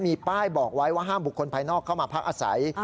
มีป้ายบอกไว้ว่าห้ามบุคคลภายนอกเข้ามาพักอาศัย